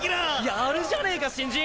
やるじゃねぇか新人！